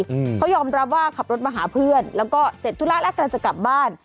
อืมเขายอมรับว่าขับรถมาหาเพื่อนแล้วก็เสร็จธุระแล้วกำลังจะกลับบ้าน